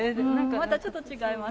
またちょっと違います。